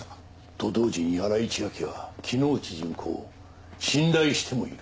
と同時に新井千晶は木之内順子を信頼してもいる。